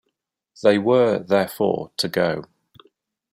They were, therefore, to go.